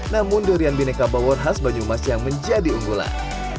namun durian bineka bawor khas banyumas yang menjadi unggulan